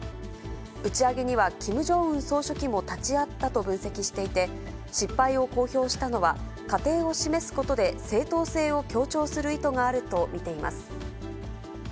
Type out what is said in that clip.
打ち上げには、キム・ジョンウン総書記も立ち会ったと分析していて、失敗を公表したのは、過程を示すことで正当性を強調する意図があると見ています。